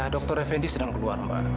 dr effendi sedang keluar mbak